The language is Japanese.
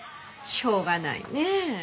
しょうがないねえ